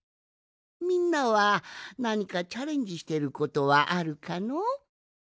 みんなはなにかチャレンジしてることはあるかの？